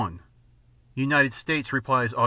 _United States replies Aug.